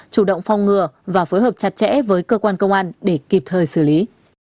chủ động phong ngừa và phối hợp chặt chẽ với cơ quan công an để kịp thời xử lý